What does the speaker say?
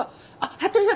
服部さん